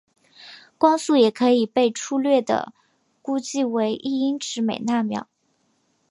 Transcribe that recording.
光速也可以被初略地估计为一英尺每纳秒。